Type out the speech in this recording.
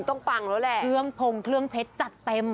ต้องฟังแล้วแหละพงเครื่องเพชรจัดเต็ม